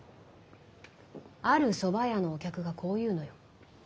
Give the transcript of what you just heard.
ある蕎麦屋のお客がこう言うのよ。